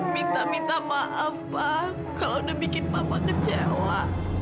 minta minta maaf pa kalau udah bikin papa kecewa